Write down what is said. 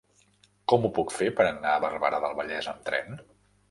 Com ho puc fer per anar a Barberà del Vallès amb tren?